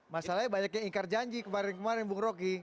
masalahnya banyak yang ingkar janji kemarin kemarin bung rocky